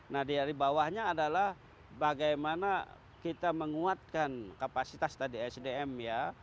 nah dari bawahnya adalah bagaimana kita menguatkan kapasitas tadi sdm ya